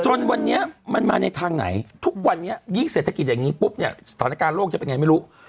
จนวันนี้มันมาในทางไหนทุกวันนี้ยิ่งเศรษฐกิจอย่างนี้ปุ๊บเนี่ยสถานการณ์โลกจะเป็นไงไม่รู้